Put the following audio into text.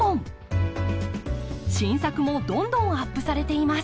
新作もどんどんアップされています。